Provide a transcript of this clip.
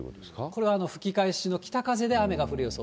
これ、吹き返しの北風で雨が降る予想。